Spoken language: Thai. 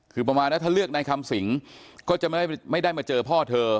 คือประมาณนะถ้าเลือกนายคำสิงก็จะไม่ได้มาเจอพ่อเธอ